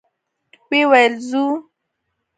ويې ويل: ځو؟